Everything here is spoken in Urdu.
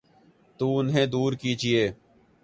تو انہیں دور کیجیے۔